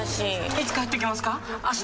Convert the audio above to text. いつ帰ってきますか？